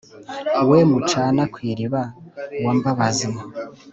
we mucana ku iriba wa mbabazi,